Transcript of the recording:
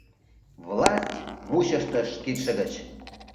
Власть мучыштыш кидше гыч.